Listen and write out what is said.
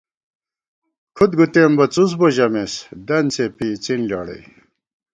کھُد گُتېم بہ څُس بو ژَمېس، دن څېپی اِڅِن لېڑَئی